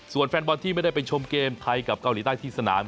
ส่วนแฟนบอลที่ไม่ได้ไปชมเกมไทยกับเกาหลีใต้ที่สนาม